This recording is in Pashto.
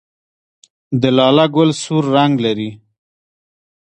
د لاله ګل سور رنګ لري